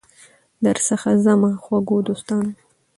درڅخه ځمه خوږو دوستانو